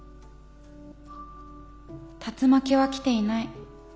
竜巻は来ていない。